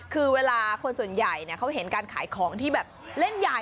คือเวลาคนส่วนใหญ่เขาเห็นการขายของที่แบบเล่นใหญ่